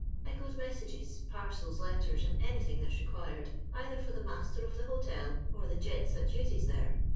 I goes messages, parcels, letters, and anything that's required, either for the master of the hotel or the gonts that uses there.